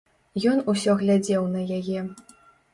Ён усё глядзеў на яе.